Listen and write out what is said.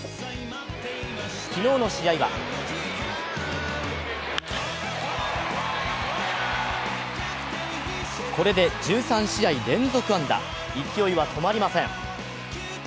昨日の試合はこれで１３試合連続安打、勢いは止まりません。